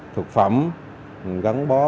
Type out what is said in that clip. thực phẩm gắn bó